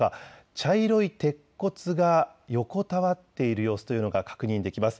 茶色い鉄骨が横たわっている様子というのが確認できます。